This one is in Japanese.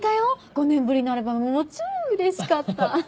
５年ぶりのアルバム超うれしかった！